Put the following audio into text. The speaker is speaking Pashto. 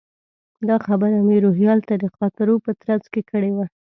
دا خبره مې روهیال ته د خاطرو په ترڅ کې کړې وه.